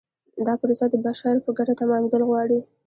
دا پروسه د بشر په ګټه تمامیدل غواړي.